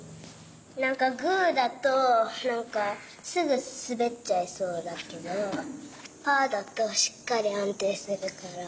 なんかグーだとなんかすぐすべっちゃいそうだけどパーだとしっかりあんていするから。